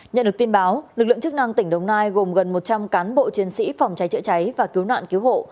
nhận được tin báo lực lượng chức năng tỉnh đồng nai gồm gần một trăm linh cán bộ chiến sĩ phòng cháy chữa cháy và cứu nạn cứu hộ